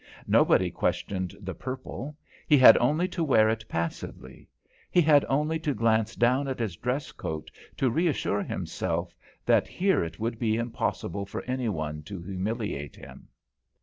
Nobody questioned the purple; he had only to wear it passively. He had only to glance down at his dress coat to reassure himself that here it would be impossible for anyone to humiliate him.